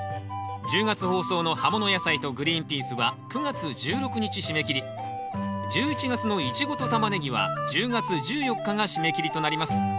１０月放送の「葉もの野菜」と「グリーンピース」は９月１６日締め切り１１月の「イチゴ」と「タマネギ」は１０月１４日が締め切りとなります。